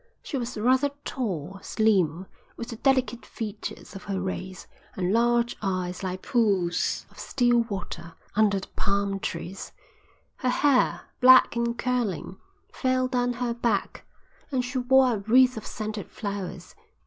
She was rather tall, slim, with the delicate features of her race, and large eyes like pools of still water under the palm trees; her hair, black and curling, fell down her back, and she wore a wreath of scented flowers.